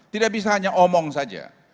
tidak bisa hanya omong saja